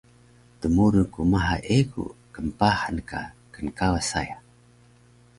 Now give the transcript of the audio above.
Dmurun ku maha egu knpahan ka knkawas saya